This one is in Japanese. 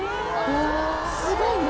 すごいね。